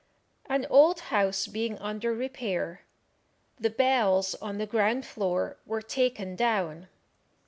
An old house being under repair, the bells on the ground floor were taken down.